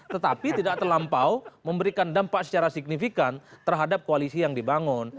tetapi tidak terlampau memberikan dampak secara signifikan terhadap koalisi yang dibangun